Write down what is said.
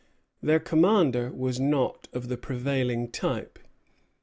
Their commander was not of the prevailing type.